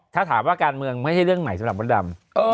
ถ้าถามว่าการเมืองไม่สิ่งใหม่สำหรับโบ๊ทดาม